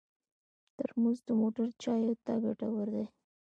ترموز د موټر چایو ته ګټور دی.